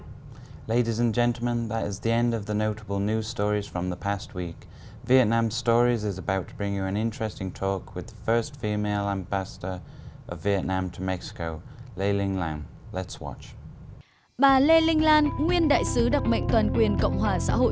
bà lê linh lan nguyên đại sứ đặc mệnh toàn quyền cộng hòa xã hội chủ nghĩa việt nam tại liên bang mexico